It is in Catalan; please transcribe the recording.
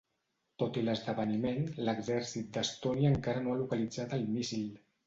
Tot i l’esdeveniment, l’exèrcit d’Estònia encara no ha localitzat el míssil.